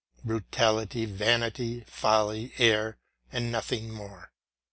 Brutality, vanity, folly, error, and nothing more.